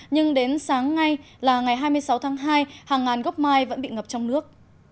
nhưng đến sáng nay là ngày hai mươi sáu tháng hai hàng ngàn gốc mai vẫn bị ngập trong nước